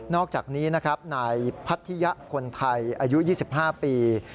อกจากนี้นะครับนายพัทธิยะคนไทยอายุ๒๕ปี